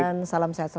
dan salam sehat sehat